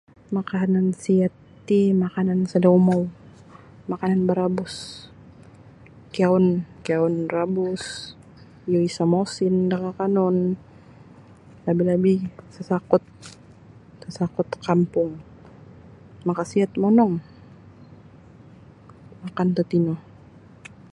Makanan siat ti makanan sada' umou makanan barabus kiyaun kiyaun rabus yang isa' mosin da akanun labih-labih sasakut sasakut kampung makasiat monong makan tatino.